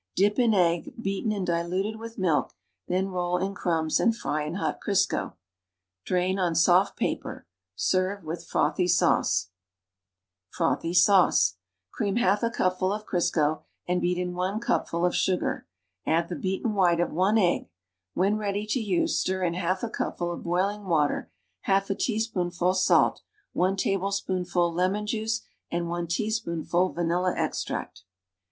Dip in egg, beaten and diluted with milk, then roll in crumbs and fry in hot Crisco. Drain on soft paper. Serve with Frothy Sauce. 40 C^se level rneasuremenis for ail ingredients FROTHY SAUCE Cream half a cupful of Crisro and beat in one cupful of sugar; add the beaten white of one egg; when ready to use stir in half a cupful of boiling water, half a tea spoonful salt, one tablespoonful lemon juice and one teaspoonful vanilla extract.